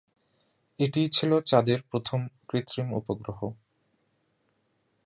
এটিই ছিলো চাঁদের প্রথম কৃত্রিম উপগ্রহ।